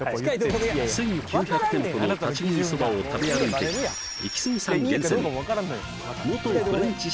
１９００店舗の立ち食いそばを食べ歩いてきたイキスギさん